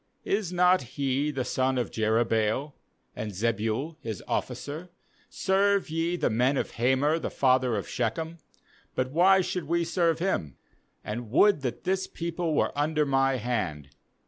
is not he the son of Jerubbaal? and Zebul his officer? serve ye the men of Hamor the father of Shechem; but why should we serve him? 2*And would that this people were under my hand!